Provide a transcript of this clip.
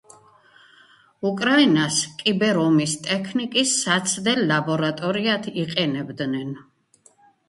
უკრაინას კიბერ-ომის ტექნიკის საცდელ ლაბორატორიად იყენებდნენ.